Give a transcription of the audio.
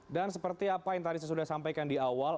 dan seperti apa yang tadi saya sudah sampaikan di awal